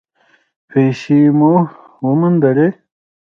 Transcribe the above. پیسې مو وموندلې؟